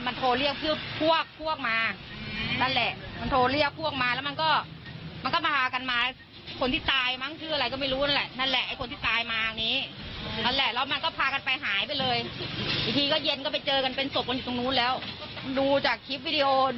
หนูเขาจะอยู่พวกฟิวฟิวขาดเป็นยังไง